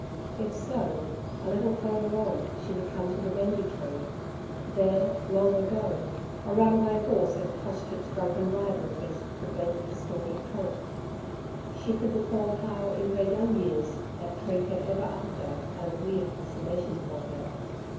If so, a little further on, she would come to the "Bendy Tree". There long ago a runaway horse had crushed its drunken rider against the bent, distorted trunk. She could recall how in her young years that tree had ever after had a weird fascination for her.